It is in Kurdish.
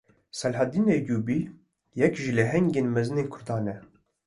Seleheddînê Eyyûbî, yek ji lehengên mezinên Kurdan e